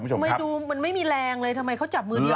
ทำไมดูมันไม่มีแรงเลยทำไมเขาจับมือเดียว